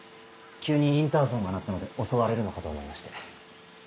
急にインターホンが鳴ったので襲われるのかと思いまして。